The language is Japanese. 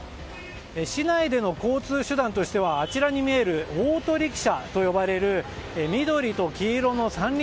市内での交通手段としてはあちらに見えるオートリキシャと呼ばれる緑と黄色の三輪